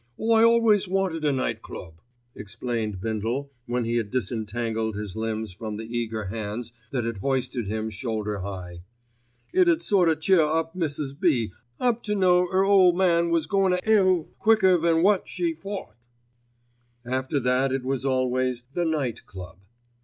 "I always wanted a night club," explained Bindle when he had disentangled his limbs from the eager hands that had hoisted him shoulder high. "It 'ud sort o' cheer Mrs. B. up to know that 'er ole man was goin' to 'ell quicker than wot she thought." After that it was always "The Night Club."